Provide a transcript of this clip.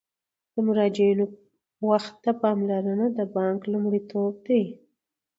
د مراجعینو وخت ته پاملرنه د بانک لومړیتوب دی.